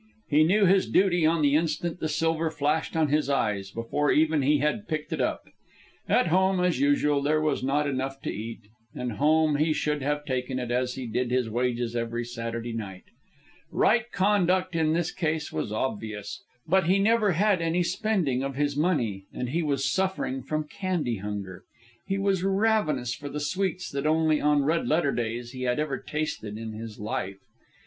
He knew his duty on the instant the silver flashed on his eyes, before even he had picked it up. At home, as usual, there was not enough to eat, and home he should have taken it as he did his wages every Saturday night. Right conduct in this case was obvious; but he never had any spending of his money, and he was suffering from candy hunger. He was ravenous for the sweets that only on red letter days he had ever tasted in his life.